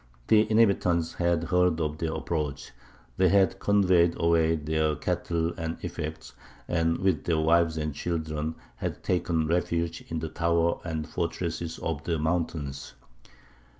The inhabitants had heard of their approach; they had conveyed away their cattle and effects, and with their wives and children had taken refuge in the towers and fortresses of the mountains.